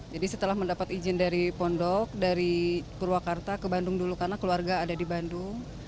jadi setelah mendapat izin dari pondok dari purwakarta ke bandung dulu karena keluarga ada di bandung